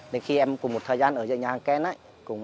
đến khi em cùng một thời gian ở dưới nhà hàng ken